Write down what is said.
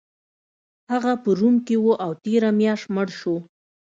هغه په روم کې و او تیره میاشت مړ شو